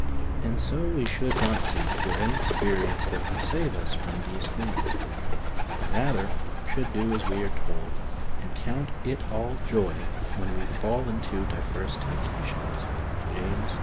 And so we should not seek for an experience that will save us from these things, but rather should do as we are told, and ''count it ail joy when we fall into divers temptations'' {James i.